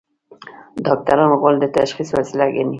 ډاکټران غول د تشخیص وسیله ګڼي.